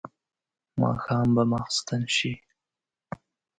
ماښام به ماخستن شي.